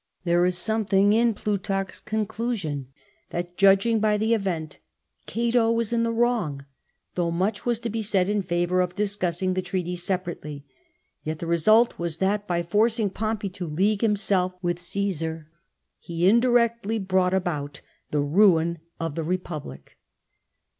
There is something in Plutarch's conclusion that, judging by the event, Cato was in the wrong; though much was to be said in favour of discussing the treaties separately, yet the result was that, by forcing Pompey to league himself with Caesar, he indirectly brought about the ruin of the Eepublic.